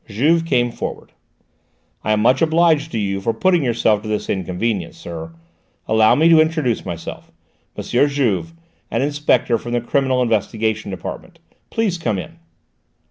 Juve came forward. "I am much obliged to you for putting yourself to this inconvenience, sir: allow me to introduce myself: M. Juve, an Inspector from the Criminal Investigation Department. Please come in."